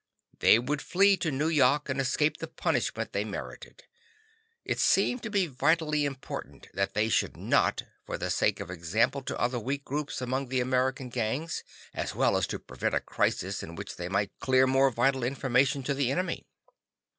They would flee to Nu yok and escape the punishment they merited. It seemed to be vitally important that they should not, for the sake of example to other weak groups among the American gangs, as well as to prevent a crisis in which they might clear more vital information to the enemy.